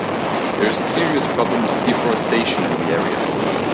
There is a serious problem of deforestation in the area.